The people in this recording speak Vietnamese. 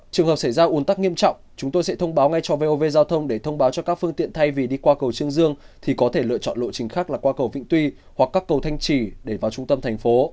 trường hợp xảy ra ủn tắc nghiêm trọng chúng tôi sẽ thông báo ngay cho vov giao thông để thông báo cho các phương tiện thay vì đi qua cầu trương dương thì có thể lựa chọn lộ trình khác là qua cầu vĩnh tuy hoặc các cầu thanh trì để vào trung tâm thành phố